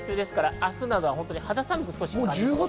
明日などは少し肌寒く感じます。